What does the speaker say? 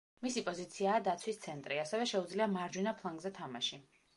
მისი პოზიციაა დაცვის ცენტრი, ასევე შეუძლია მარჯვენა ფლანგზე თამაში.